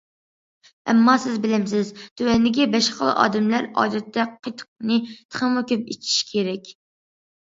ئەمما سىز بىلەمسىز؟ تۆۋەندىكى بەش خىل ئادەملەر ئادەتتە قېتىقنى تېخىمۇ كۆپ ئىچىشى كېرەك.